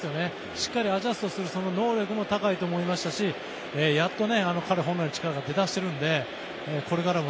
しっかりアジャストする能力も高いと思いましたしやっと彼本来の力が出だしているのでこれからも。